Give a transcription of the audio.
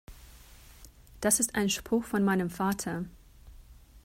Das ist ein Spruch von meinem Vater.